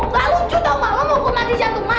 gak lucu tau gak lo mau gue mati jantungan